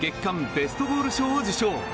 ベストゴール賞を受賞。